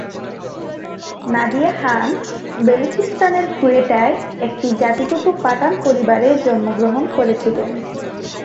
নাদিয়া খান বেলুচিস্তানের কোয়েটায় একটি জাতিগত পাঠান পরিবারে জন্মগ্রহণ করেছিলেন।